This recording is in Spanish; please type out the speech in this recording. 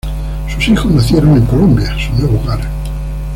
Sus hijos nacieron en Colombia, su nuevo hogar.